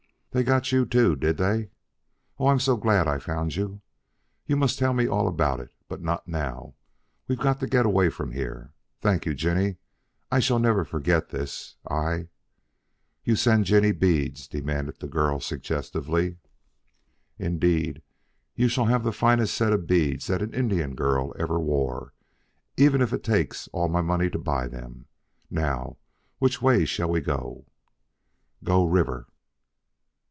"They got you too, did they? Oh, I'm so glad I've found you! You must tell me all about it, but not now. We've got to get away from here. Thank you, Jinny. I shall never forget this. I " "You send Jinny beads?" demanded the girl suggestively. "Indeed you shall have the finest set of beads that an Indian girl ever wore, even if it takes all my money to buy them. Now which way shall we go?" "Go river."